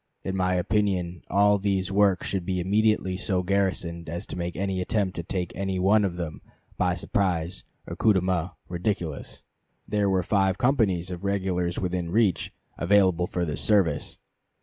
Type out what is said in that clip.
"In my opinion all these works should be immediately so garrisoned as to make any attempt to take any one of them, by surprise or coup de main, ridiculous." There were five companies of regulars within reach, available for this service.